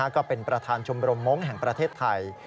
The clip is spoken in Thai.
ก็เป็นประธานชมรมมงค์แห่งประเทศไทย